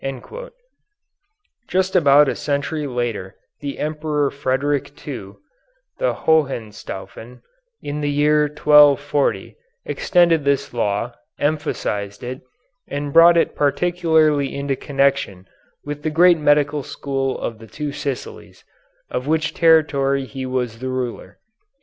Just about a century later the Emperor Frederick II, the Hohenstaufen, in the year 1240, extended this law, emphasized it, and brought it particularly into connection with the great medical school of the Two Sicilies, of which territory he was the ruler.